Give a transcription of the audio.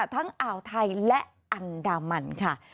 อ่าวไทยและอันดามันค่ะ